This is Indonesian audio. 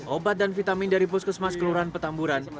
obat dan vitamin dari puskesmas kelurahan petamburan